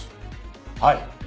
はい。